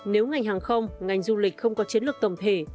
nếu ngành hàng không ngành du lịch không có chiến lược tổng thể